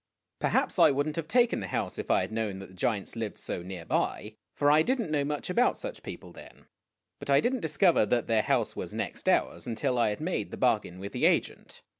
Perhaps I would n't have taken the house if I had known that the giants lived so near by, for I did n't know much about such people then ; but I did n't discover that their house was next ours until I had made the bargain with the assent.